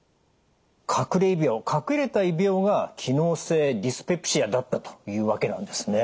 かくれ胃病かくれた胃病が機能性ディスペプシアだったというわけなんですね。